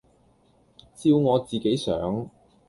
照我自己想，